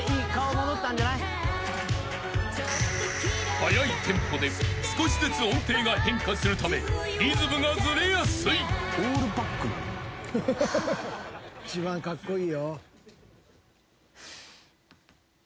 ［速いテンポで少しずつ音程が変化するためリズムがずれやすい］